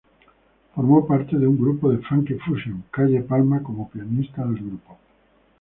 Formó parte de un grupo de funky-fussion, Calle Palma, como pianista del grupo.